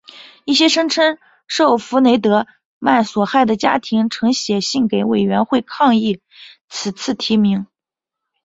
一些声称受弗雷德曼所害的家庭曾写信给委员会抗议此次提名。